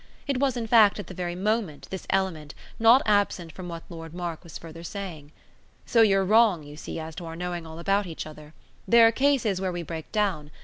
It was in fact at the very moment, this element, not absent from what Lord Mark was further saying. "So you're wrong, you see, as to our knowing all about each other. There are cases where we break down.